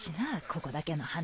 ここだけの話。